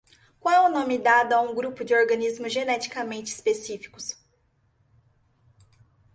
Qual é o nome dado a um grupo de organismos geneticamente específicos?